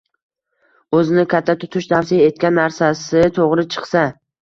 O'zini katta tutish, tavsiya etgan narsasi to'g'ri chiqsa